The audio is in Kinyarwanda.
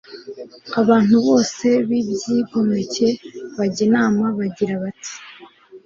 abantu bose by'ibyigomeke bajya inama bagira bati